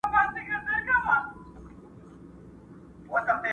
د جنګ د سولي د سیالیو وطن،